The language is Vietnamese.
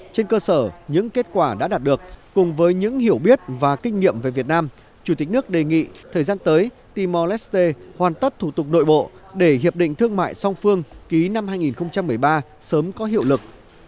trên cơ sở những kết quả đã đạt được cùng với những hiểu biết và kinh nghiệm về việt nam chủ tịch nước đề nghị thời gian tới timor leste hoàn tất thủ tục nội bộ để hiệp định thương mại song phương ký năm hai nghìn một mươi ba sớm có hiệu lực